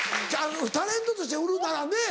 タレントとして売るならねっ。